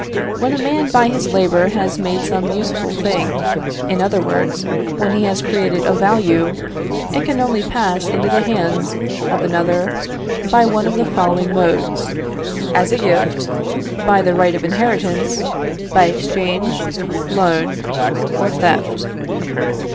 When a man by his labour has made some useful thing in other words, when he has created a value it can only pass into the hands of another by one of the following modes as a gift, by the right of inheritance, by exchange, loan, or theft.